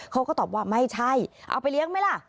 เขาก็ตอบว่าไม่ใช่เอาไปเลี้ยงไหมล่ะ